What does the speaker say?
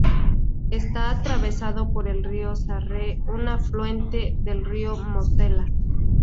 Está atravesado por el río Sarre, un afluente del río Mosela.